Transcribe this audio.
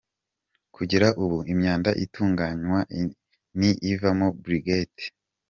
Kugera ubu imyanda itunganywa ni ivamo briquette.